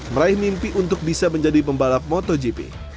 meraih mimpi untuk bisa menjadi pembalap motogp